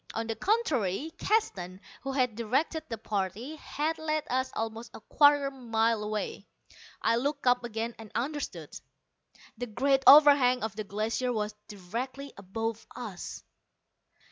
On the contrary, Keston, who had directed the party, had led us almost a quarter mile away. I looked up again, and understood. The great overhang of the Glacier was directly above us!